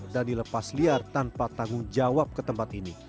dan dilepas liar tanpa tanggung jawab ke tempat ini